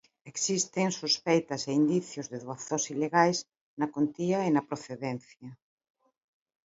Existen sospeitas e indicios de doazóns ilegais na contía e na procedencia.